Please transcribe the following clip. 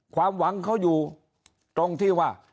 ความหวังเขาอยู่ตรงที่ว่า